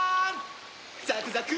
ザクザク！